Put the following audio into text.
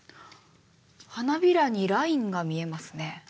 花びらにラインが見えますね。